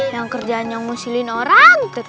yang kerjaannya ngusilin orang